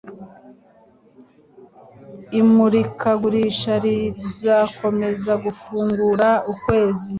Imurikagurisha rizakomeza gufungura ukwezi